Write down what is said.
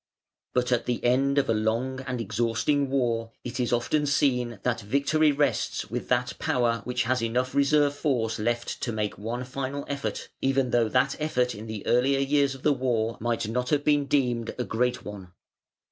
But at the end of a long and exhausting war it is often seen that victory rests with that power which has enough reserve force left to make one final effort, even though that effort in the earlier years of the war might not have been deemed a great one.